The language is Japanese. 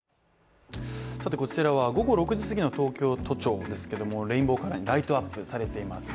こちらは午後６時すぎの東京都庁ですけども、レインボーカラーにライトアップされています。